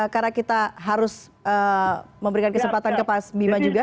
karena kita harus memberikan kesempatan ke pak mbima juga